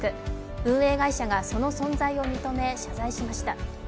運営会社がその存在を認め、謝罪しました。